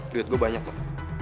duit gue banyak loh